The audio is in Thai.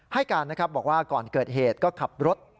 ให้การนะครับบอกว่าก่อนเกิดเหตุก็ขับรถ